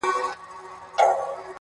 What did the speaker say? اوس مو د زلمو مستي له وخته سره ژاړي.!